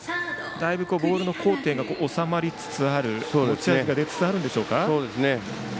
だいぶボールの高低が収まりつつある持ち味が出つつあるでしょうか。